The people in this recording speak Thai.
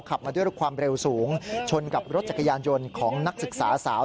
ขับมาด้วยความเร็วสูงชนกับรถจักรยานยนต์ของนักศึกษาสาว